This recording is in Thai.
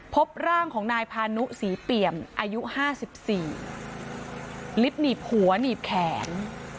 พบร่างของนายพานุศรีเปี่ยมอายุ๕๔ลิฟต์หนีบหัวหนีบแขน